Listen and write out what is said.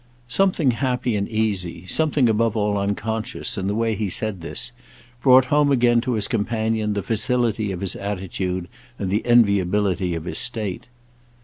Something happy and easy, something above all unconscious, in the way he said this, brought home again to his companion the facility of his attitude and the enviability of his state.